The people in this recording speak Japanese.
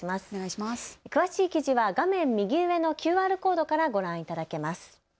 詳しい記事は画面右上のＱＲコードからご覧いただけます。